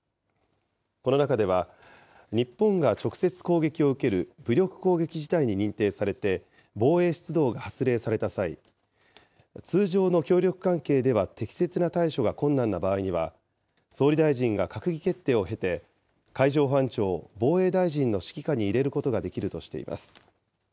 この中では、日本が直接攻撃を受ける武力攻撃事態に認定されて防衛出動が発令された際、通常の協力関係では適切な対処が困難な場合には、総理大臣が閣議決定を経て、海上保安庁を防衛大臣の指揮下に入れることができるとしています。